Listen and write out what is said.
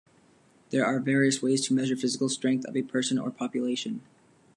There are various ways to measure physical strength of a person or population.